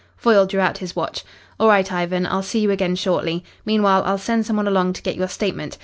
Foyle drew out his watch. "All right, Ivan. I'll see you again shortly. Meanwhile, I'll send some one along to get your statement.